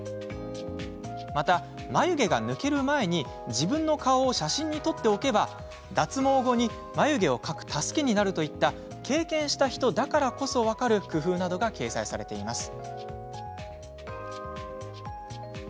また、眉毛が抜ける前に自分の顔を写真に撮っておけば脱毛後に、眉毛を描く助けになるといった経験した人だからこそ分かる工夫などが掲載されています。